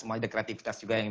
ada kreativitas juga yang